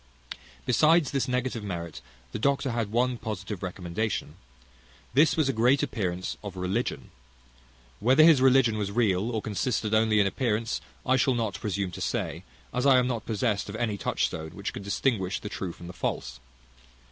Besides this negative merit, the doctor had one positive recommendation; this was a great appearance of religion. Whether his religion was real, or consisted only in appearance, I shall not presume to say, as I am not possessed of any touchstone which can distinguish the true from the false.